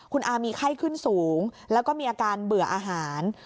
คุณอามีไข้ขึ้นสูงแล้วก็มีอาการเบื่ออาหาร